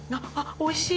おいしい。